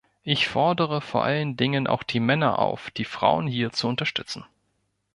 Ich fordere vor allen Dingen auch die Männer auf, die Frauen hier zu unterstützen.